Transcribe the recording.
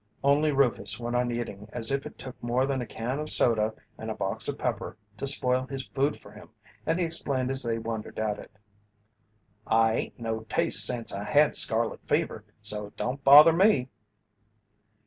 Only Rufus went on eating as if it took more than a can of soda and a box of pepper to spoil his food for him and he explained as they wondered at it: "I ain't no taste sence I had scarlet fever so it don't bother me."